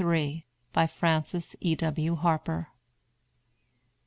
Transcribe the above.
BY FRANCES E. W. HARPER.